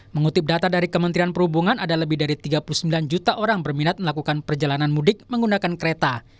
mengutip data dari kementerian perhubungan ada lebih dari tiga puluh sembilan juta orang berminat melakukan perjalanan mudik menggunakan kereta